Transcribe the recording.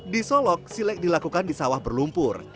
di solok silek dilakukan di sawah berlumpur